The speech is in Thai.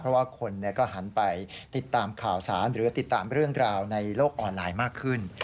เพราะว่าคนก็หันไปติดตามข่าวสารหรือติดตามเรื่องราวในโลกออนไลน์มากขึ้น